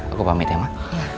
aku pamit ya mak